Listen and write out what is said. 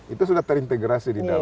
itu sudah terintegrasi di dalam